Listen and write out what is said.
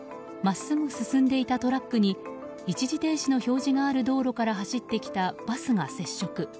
真っすぐ進んでいたトラックに一時停止の表示がある道路から走ってきたバスが接触。